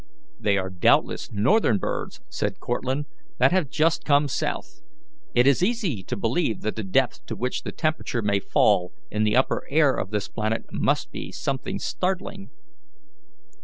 "They are doubtless northern birds," said Cortlandt, "that have just come south. It is easy to believe that the depth to which the temperature may fall in the upper air of this planet must be something startling."